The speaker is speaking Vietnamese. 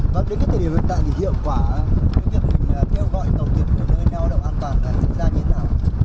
vâng đến cái thời điểm hiện tại thì hiệu quả về cái công tác kêu gọi tàu thuyền về nơi ngao đậu an toàn như thế nào